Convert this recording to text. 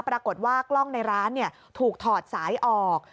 ปรากฏว่ากล้องในร้านถูกถอดสายออก